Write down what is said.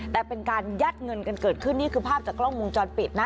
แต่เป็นการยัดเงินกันเกิดขึ้นนี่คือภาพจากกล้องวงจรปิดนะ